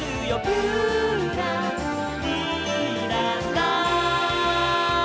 「ぴゅらりらら」